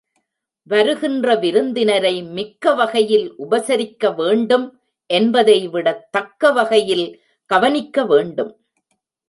வருகின்ற விருந்தினரை மிக்க வகையில் உபசரிக்க வேண்டும் என்பதைவிடத் தக்க வகையில் கவனிக்க வேண்டும்.